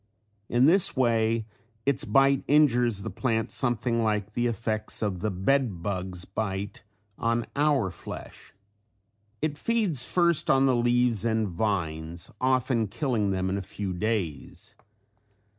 In this way its bite injures the plant something like the effects of the bed bug's bite on our flesh. It feeds first on the leaves and vines often killing them in a few days.